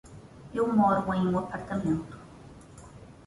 Eu moro em um apartamento.